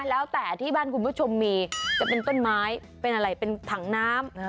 แล้วแต่ที่บ้านคุณผู้ชมมีจะเป็นต้นไม้เป็นอะไรเป็นถังน้ำ